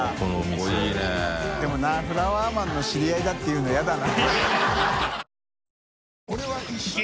任發「フラワーマンの知り合いだ」って言うの嫌だな。